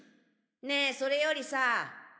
ねぇそれよりさぁ。